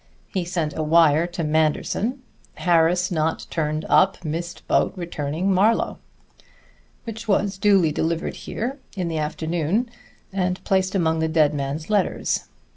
He sent a wire to Manderson: 'Harris not turned up missed boat returning Marlowe,' which was duly delivered here in the afternoon, and placed among the dead man's letters.